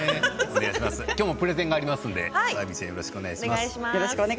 きょうもプレゼンがありますのでバービーさんよろしくお願いします。